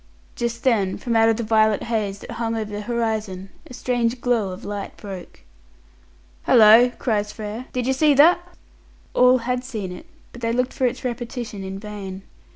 Just then, from out of the violet haze that hung over the horizon, a strange glow of light broke. "Hallo," cries Frere, "did you see that?" All had seen it, but they looked for its repetition in vain.